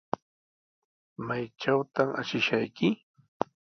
¿Maytrawtaq ashishayki?